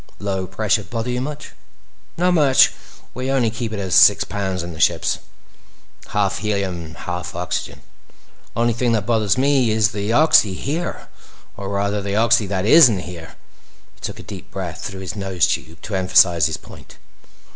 "Low pressure bother you much?" "Not much. We only keep it at six pounds in the ships. Half helium and half oxygen. Only thing that bothers me is the oxy here. Or rather, the oxy that isn't here." He took a deep breath through his nose tube to emphasize his point.